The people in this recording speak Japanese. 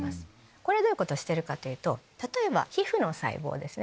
これどういうことをしてるかというと例えば皮膚の細胞ですね